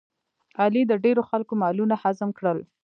علي د ډېرو خلکو مالونه هضم کړل.